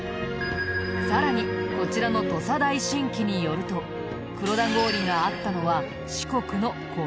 さらにこちらの『土佐大震記』によると黒田郡があったのは四国のこの部分。